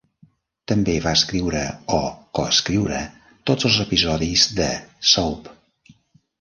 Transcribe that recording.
També va escriure o coescriure tots els episodis de "Soap".